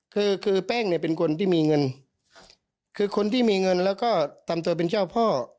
คือคือแป้งเนี่ยเป็นคนที่มีเงินคือคนที่มีเงินแล้วก็ทำตัวเป็นเจ้าพ่อ